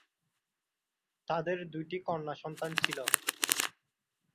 তাদের দুইটি কন্যাসন্তান ছিল।